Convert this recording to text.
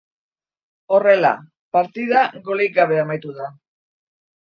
Horrela, partida golik gabe amaitu da.